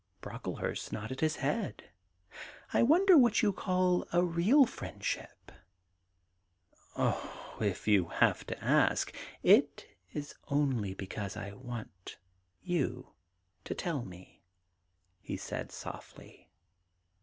Brocklehurst nodded his head. ' I wonder what you call a real friendship !'* Oh, if you have to ask !'* It is only because I want you to tell me,' he said softly.